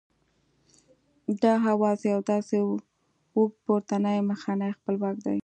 دا آواز یو داسې اوږد پورتنی مخنی خپلواک دی